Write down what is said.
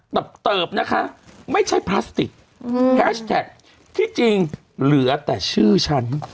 แบบเติบนะคะไม่ใช่พลาสติกแฮชแท็กที่จริงเหลือแต่ชื่อฉัน